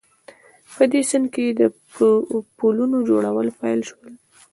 په دې سیند کې د پلونو جوړول پیل شوي